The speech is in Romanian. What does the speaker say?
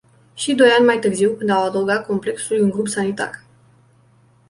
Și doi ani mai târziu, când au adăugat complexului un grup sanitar.